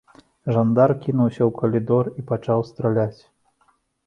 Жандар кінуўся ў калідор і пачаў страляць.